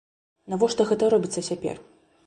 Навошта гэта робіцца цяпер?